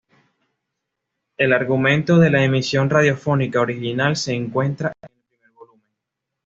El argumento de la emisión radiofónica original se encuentra en el primer volumen.